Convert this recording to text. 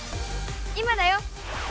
今だよ。